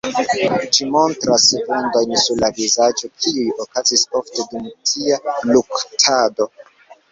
Ĝi montras vundojn sur la vizaĝo, kiuj okazis ofte dum tia luktado.